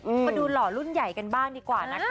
มาดูหล่อรุ่นใหญ่กันบ้างดีกว่านะคะ